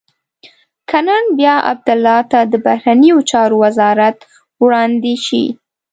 که نن بیا عبدالله ته د بهرنیو چارو وزارت وړاندې شي.